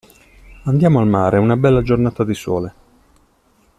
Andiamo al mare, è una bella giornata di sole.